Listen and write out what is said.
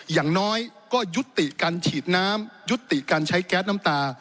อย่างน้อยก็ยุติการฉีดน้ำยุติการใช้แก๊สน้ำตา